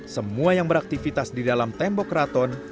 semua yang beraktivitas di dalam tembok keraton